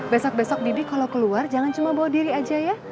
besok besok didi kalau keluar jangan cuma bawa diri aja ya